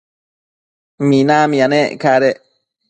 minamia nec cadec